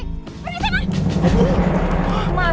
beri saya makan